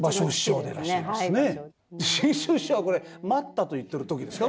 志ん生師匠はこれ「待った」と言ってる時ですか？